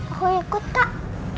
aku ikut kak